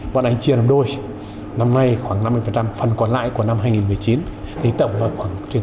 và đánh chia làm đôi năm nay khoảng năm mươi phần còn lại của năm hai nghìn một mươi chín thì tổng là khoảng trên tám